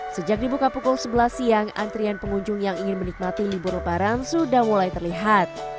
sejak dibuka pukul sebelas siang antrian pengunjung yang ingin menikmati libur lebaran sudah mulai terlihat